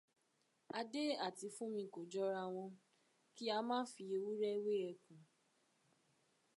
Adé àti Fúmmi kò jọra wọn, kí a má fi ewúrẹ́ wé ẹkùn